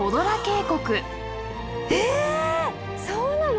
そうなの？